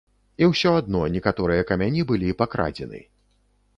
І ўсё адно, некаторыя камяні былі пакрадзены.